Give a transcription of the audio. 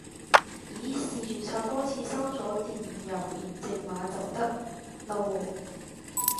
咦試註冊多次收咗電郵驗證碼就得喇喎